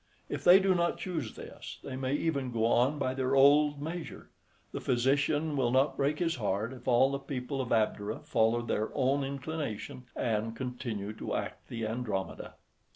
If they do not choose this, they may even go on by their old measure; the physician will not break his heart if all the people of Abdera follow their own inclination and continue to act the Andromeda.